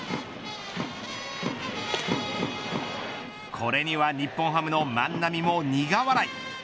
これには日本ハムの万波も苦笑い。